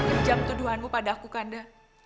pinjam tuduhanmu pada aku kanda